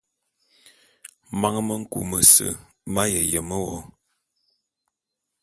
Man me nku mese m'aye yeme wo.